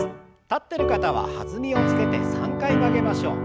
立ってる方は弾みをつけて３回曲げましょう。